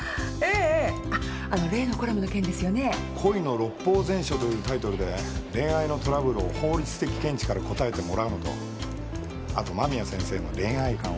「恋の六法全書」というタイトルで恋愛のトラブルを法律的見地から答えてもらうのとあと間宮先生の恋愛観をそれにプラスしてもらえればと。